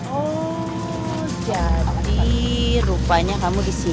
oh jadi rupanya kamu disini